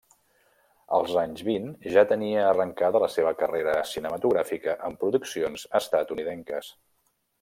Als anys vint ja tenia arrencada la seva carrera cinematogràfica en produccions estatunidenques.